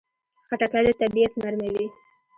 خټکی د طبعیت نرموي.